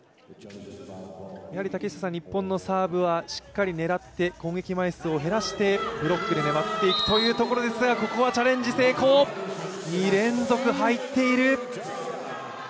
日本のサーブはしっかり狙って攻撃枚数を減らしてブロックに割っていくということですが、ここはチャレンジ成功、２連続入っている。